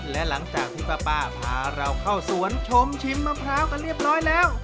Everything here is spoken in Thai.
และหลังจากที่ป้าพาเราเข้าสวนชมชิมมะพร้าวกันเรียบร้อยแล้ว